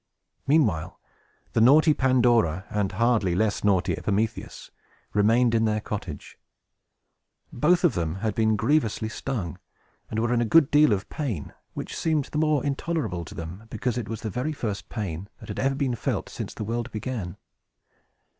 Meanwhile, the naughty Pandora, and hardly less naughty Epimetheus, remained in their cottage. Both of them had been grievously stung, and were in a good deal of pain, which seemed the more intolerable to them, because it was the very first pain that had ever been felt since the world began.